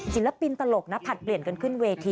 จิลปินจริงตลกนะผ่านเปลี่ยนกันขึ้นแหลมทาง